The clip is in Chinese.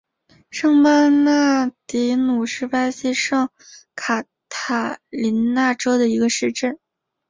圣贝纳迪努是巴西圣卡塔琳娜州的一个市镇。